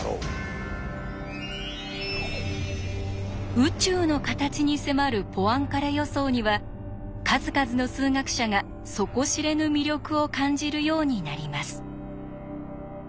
宇宙の形に迫るポアンカレ予想には数々の数学者が底知れぬ魅力を感じるようになります。